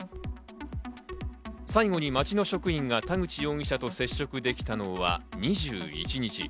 最後に町の職員が田口容疑者と接触できたのは２１日。